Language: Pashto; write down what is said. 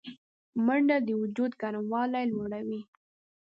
منډه د وجود ګرموالی لوړوي